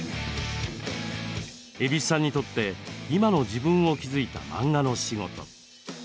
蛭子さんにとって今の自分を築いた漫画の仕事。